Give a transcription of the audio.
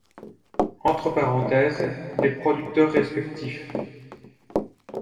Entre parenthèses, les producteurs respectifs.